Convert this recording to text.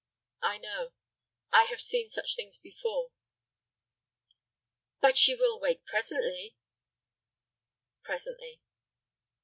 "I know; I have seen such things before." "But she will wake presently?" "Presently."